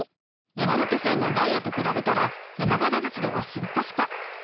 山手線のダイヤと比べたら山形鉄道はすっかすか。